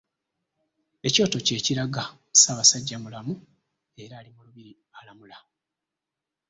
Ekyoto kye kilaga Ssaabasajja mulamu era ali mu lubiri alamula.